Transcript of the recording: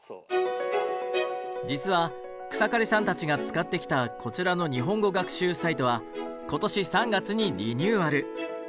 実は草刈さんたちが使ってきたこちらの日本語学習サイトは今年３月にリニューアル。